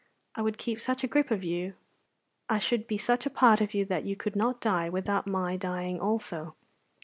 I would keep such a grip of you, I should be such a part of you, that you could not die without my dying also.